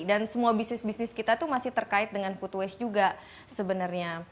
dan semua bisnis bisnis kita tuh masih terkait dengan food waste juga sebenarnya